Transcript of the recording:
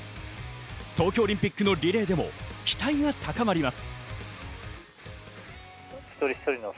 東京オリンピックのリレーでも期待が高まります。